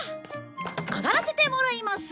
上がらせてもらいます！